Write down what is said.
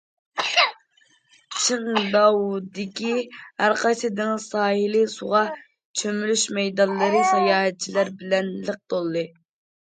چىڭداۋدىكى ھەرقايسى دېڭىز ساھىلى سۇغا چۆمۈلۈش مەيدانلىرى ساياھەتچىلەر بىلەن لىق تولدى.